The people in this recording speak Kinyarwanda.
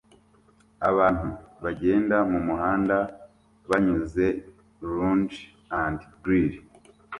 Abantu bagenda mumuhanda banyuze Lounge & Grill